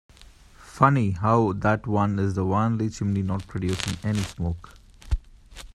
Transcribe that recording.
Funny how that one is the only chimney not producing any smoke.